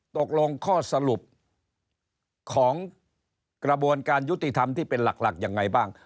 ตกลงข้อสรุปของกระบวนการยุติธรรมที่เป็นหลักยังไงบ้าง